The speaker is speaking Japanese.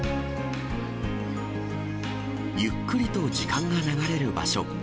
ゆっくりと時間が流れる場所。